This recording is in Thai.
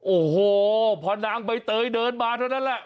โอ้โหพอนางใบเตยเดินมาเท่านั้นแหละ